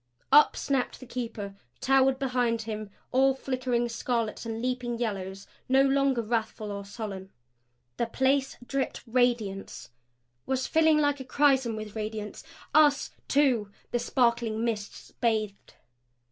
Up snapped the Keeper; towered behind him, all flickering scarlets and leaping yellows no longer wrathful or sullen. The place dripped radiance; was filling like a chrisom with radiance. Us, too, the sparkling mists bathed.